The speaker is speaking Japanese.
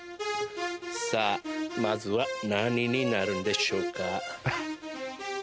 さあまずは何になるんでしょうか